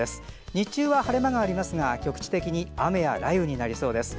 日中は晴れ間がありますが局地的に雨や雷雨になりそうです。